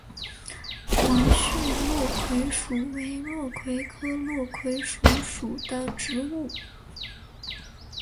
短序落葵薯为落葵科落葵薯属的植物。